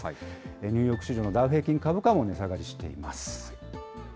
ニューヨーク市場のダウ平均株価も値下がりしています。